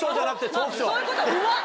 そういうことうまっ！